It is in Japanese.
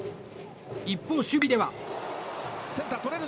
一方、守備では。